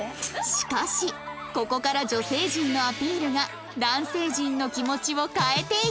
しかしここから女性陣のアピールが男性陣の気持ちを変えていく